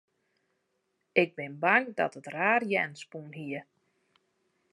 Ik bin bang dat it raar jern spûn hie.